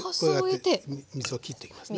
こうやって水を切っときますね。